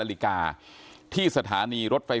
สวัสดีคุณผู้ชมครับสวัสดีคุณผู้ชมครับ